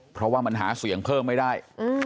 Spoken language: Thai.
เพราะว่ามันหาเสียงเพิ่มไม่ได้